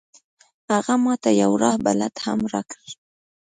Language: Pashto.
هغه ما ته یو راه بلد هم راکړ.